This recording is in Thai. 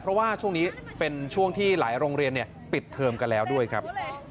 เพราะว่าช่วงนี้เป็นช่วงที่หลายโรงเรียนปิดเทอมกันแล้วด้วยครับ